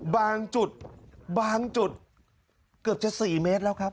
บางจุดเกือบจะ๔เมตรแล้วครับ